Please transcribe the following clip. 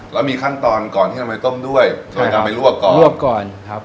แล้วมีขั้นตอนก่อนที่ทำให้ต้มด้วยโดยการไปลวกก่อนลวกก่อนครับ